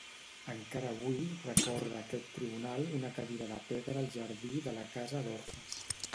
Encara avui recorda aquest Tribunal una cadira de pedra al jardí de la casa d'orfes.